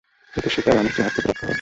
এতে সে তার অনিষ্টের হাত থেকে রক্ষা পাবে।